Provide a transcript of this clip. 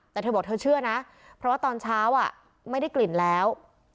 แต่เธอบอกเธอเชื่อนะเพราะว่าตอนเช้าไม่ได้กลิ่นแล้ว